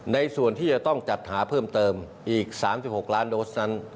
ในส่วนที่จะต้องจัดหาเพิ่มเติมอีก๓๖ล้านโดสนั้น